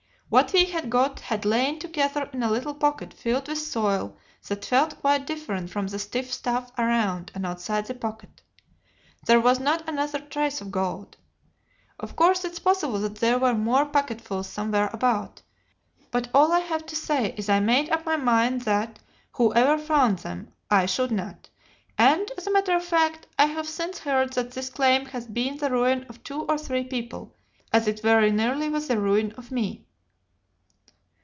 What we had got had lain together in a little pocket filled with soil that felt quite different from the stiff stuff round and outside the pocket. There was not another trace of gold. Of course it is possible that there were more pocketfuls somewhere about, but all I have to say is I made up my mind that, whoever found them, I should not; and, as a matter of fact, I have since heard that this claim has been the ruin of two or three people, as it very nearly was the ruin of me.